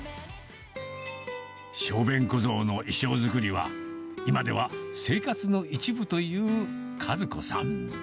小便小僧の衣装作りは、今では生活の一部という和子さん。